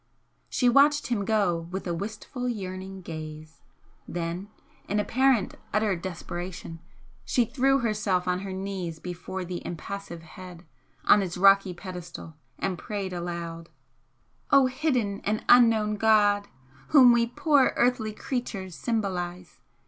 She watched him go with a wistful yearning gaze then in apparent utter desperation she threw herself on her knees before the impassive Head on its rocky pedestal and prayed aloud: "O hidden and unknown God whom we poor earthly creatures symbolise!